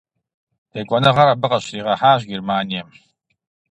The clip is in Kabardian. Текӏуэныгъэр абы къыщригъэхьащ Германием.